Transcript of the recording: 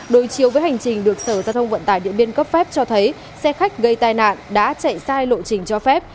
đối chiếu với hành trình được sở giao thông vận tải điện biên cấp phép cho thấy xe khách gây tai nạn đã chạy sai lộ trình cho phép